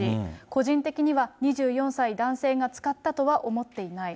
個人的には２４歳男性が使ったとは思っていない。